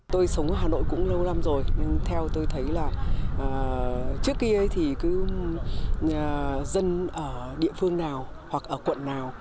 tôi sống ở hà nội cũng lâu năm rồi nhưng theo tôi thấy là trước kia thì cứ dân ở địa phương nào hoặc ở quận nào